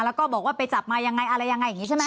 แล้วก็บอกว่าไปจับมายังไงอะไรยังไงอย่างนี้ใช่ไหม